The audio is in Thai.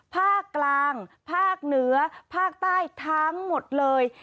ภาคกลางภาคเหนือภาคใต้ทั้งหมดเลย